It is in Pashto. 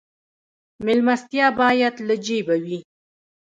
میلمستیا باید له جیبه وي